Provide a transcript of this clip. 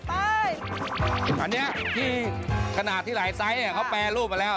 อันนี้ที่ขนาดที่หลายไซส์เขาแปรรูปมาแล้ว